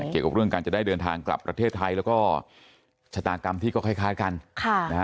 เกี่ยวกับเรื่องการจะได้เดินทางกลับประเทศไทยแล้วก็ชะตากรรมที่ก็คล้ายกันค่ะนะฮะ